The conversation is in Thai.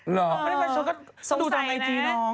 หรอไม่ใช่ว่าชดก็ดูตามไอจีน้อง